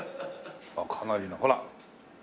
あっかなりのほら。